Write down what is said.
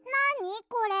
これ。